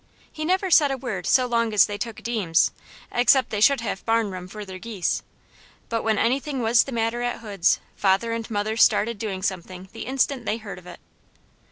He never said a word so long as they took Deams', except they should have barn room for their geese, but when anything was the matter at Hoods' father and mother started doing something the instant they heard of it.